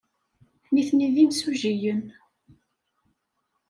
Nitni d imsujjiyen.